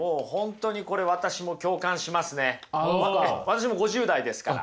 私も５０代ですから。